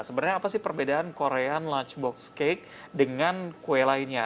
sebenarnya apa sih perbedaan korean lunchbox cake dengan kue lainnya